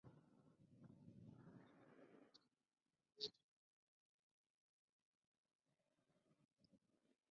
Al terminar la guerra no solicitó merced alguna, permaneciendo en su modesta posición.